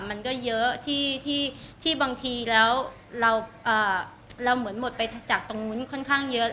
มันก็เยอะที่บางทีแล้วเราเหมือนหมดไปจากตรงนู้นค่อนข้างเยอะ